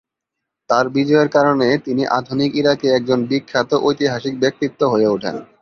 তার বিজয়ের কারণে তিনি আধুনিক ইরাকে একজন বিখ্যাত ঐতিহাসিক ব্যক্তিত্ব হয়ে ওঠেন।